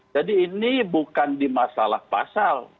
jadi ini bukan di masalah pasal